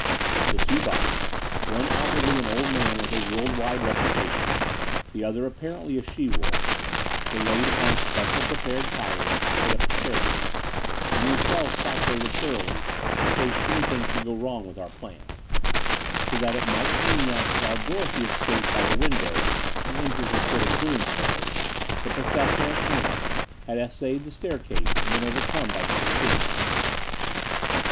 The two bodies — one outwardly an old man with a world wide reputation, the other apparently a she wolf — ^were laid upon special prepared pyres half way up the staircase, and themselves saturated thoroughly in case anything should go wrong with our plans; so that it might seem that, while Dorothy escaped by her window and injured her foot in so doing, the Professor and Anna had The Dower House 297 essayed the staircase and been overcome by the consuming flames.